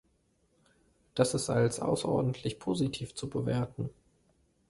Das ist als außerordentlich positiv zu werten.